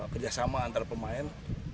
kerjasama antar pemain